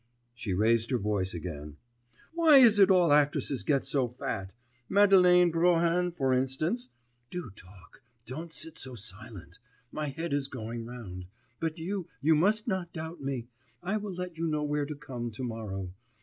She raised her voice again. 'Why is it all actresses get so fat? Madeleine Brohan for instance.... Do talk, don't sit so silent. My head is going round. But you, you must not doubt me.... I will let you know where to come to morrow.